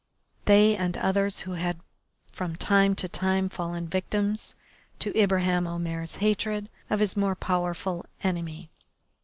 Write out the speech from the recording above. They and others who had from time to time fallen victims to Ibraheim Omair's hatred of his more powerful enemy.